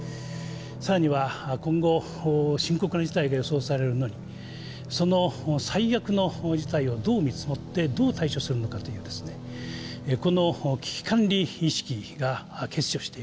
更には今後深刻な事態が予想されるのにその最悪の事態をどう見積もってどう対処するのかというこの危機管理意識が欠如している問題。